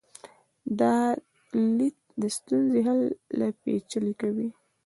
دا لید د ستونزې حل لا پیچلی کوي.